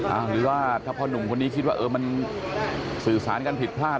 หรือว่าถ้าพ่อนุ่มคนนี้คิดว่าเออมันสื่อสารกันผิดพลาด